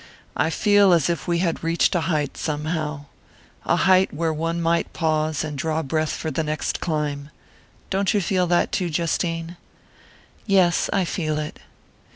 "I feel as if we had reached a height, somehow a height where one might pause and draw breath for the next climb. Don't you feel that too, Justine?" "Yes I feel it."